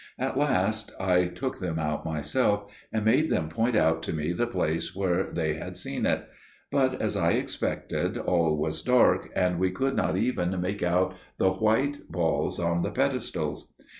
At last I took them out myself, and made them point out to me the place where they had seen it; but, as I expected, all was dark, and we could not even make out the white balls on the pedestals.